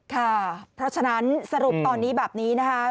ค่ะเพราะฉะนั้นสรุปตอนนี้แบบนี้นะคะ